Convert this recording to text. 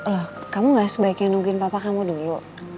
loh kamu gak sebaiknya nungguin papa kamu dulu